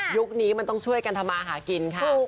ยุคนี้มันต้องช่วยกันทำมาหากินค่ะ